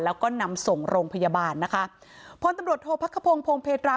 แล้วก็นำส่งโรงพยาบาลนะคะพลตำรวจโทษพักขพงพงเพตรา